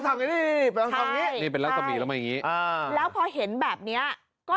ทำอย่างนี้เป็นรักสมีแล้วไม่อย่างนี้แล้วพอเห็นแบบนี้ก็